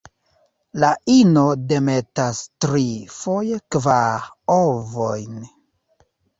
La ino demetas tri, foje kvar, ovojn.